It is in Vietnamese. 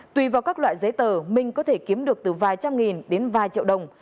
tùy vào các loại giấy tờ minh có thể kiếm được từ vài trăm nghìn đến vài triệu đồng